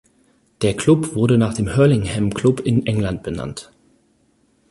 Der Club wurde nach dem Hurlingham Club in England benannt.